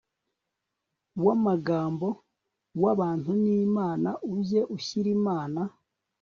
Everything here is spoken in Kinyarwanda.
w amagambo w abantu n Imana ujye ushyira Imana